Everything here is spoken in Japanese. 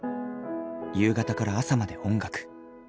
夕方から朝まで音楽。